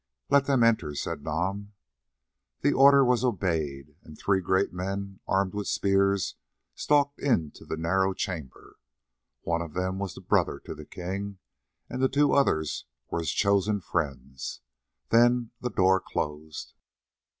"Let them enter," said Nam. The order was obeyed, and three great men armed with spears stalked into the narrow chamber. One of them was brother to the king, and the two others were his chosen friends. Then the door closed.